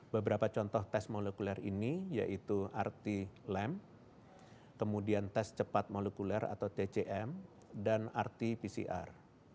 beberapa contoh tes molekuler ini yaitu rt lam kemudian tes cepat molekuler atau tcm dan rt pcr